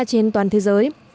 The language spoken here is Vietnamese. trên toàn thế giới